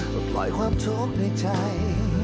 แล้วปล่อยความทวบในใจ